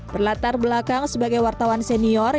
berlatar belakang sebagai wartawan senior